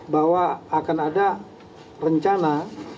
bahwa akan ada rencana